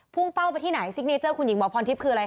เป้าไปที่ไหนซิกเนเจอร์คุณหญิงหมอพรทิพย์คืออะไรค